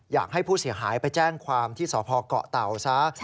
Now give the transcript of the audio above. อยากให้ผู้เสียหายไปแจ้งความที่สพเกาะเต่าซะ